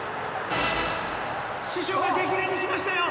師匠が激励に来ましたよ。